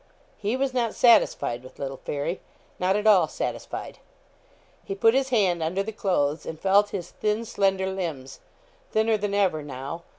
He was not satisfied with little Fairy not at all satisfied. He put his hand under the clothes and felt his thin, slender limbs thinner than ever now.